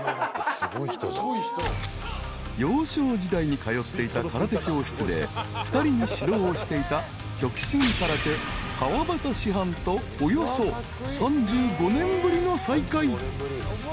［幼少時代に通っていた空手教室で２人に指導をしていた極真空手川畑師範とおよそ３５年ぶりの再会］